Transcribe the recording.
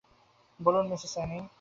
বসুন, মিসেস অ্যানিং।